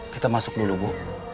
kita masuk dulu bu